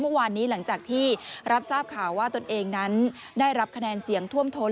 เมื่อวานนี้หลังจากที่รับทราบข่าวว่าตนเองนั้นได้รับคะแนนเสียงท่วมท้น